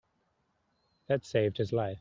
That saved his life.